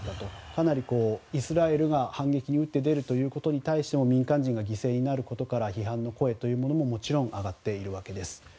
かなりイスラエルが反撃に打って出るということに対しても民間人が犠牲になることから批判の声というものももちろん上がっているわけです。